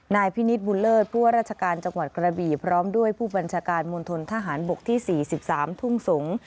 นายพินิษฐบุญเลิศผู้ว่าราชการจังหวัดกระบี่พร้อมด้วยผู้บัญชาการมณฑนทหารบกที่๔๓ทุ่งสงศ์